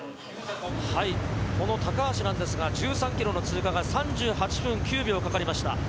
この橋なんですが１３ｋｍの通過が３８分９秒かかりました。